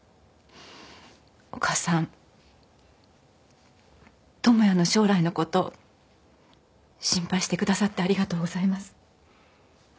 お母さん智也の将来のこと心配してくださってありがとうございます。